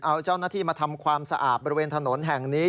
เอาเจ้าหน้าที่มาทำความสะอาดบริเวณถนนแห่งนี้